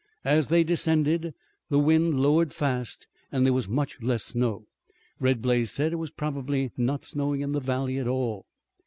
As they descended, the wind lowered fast and there was much less snow. Red Blaze said it was probably not snowing in the valley at all.